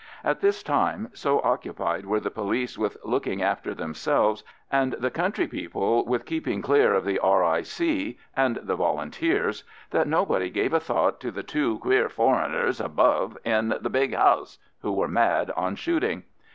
At this time, so occupied were the police with looking after themselves, and the country people with keeping clear of the R.I.C. and the Volunteers, that nobody gave a thought to the "two queer foreigners above in the big house" who were mad on shooting.